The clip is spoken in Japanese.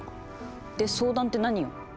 で相談って何よ？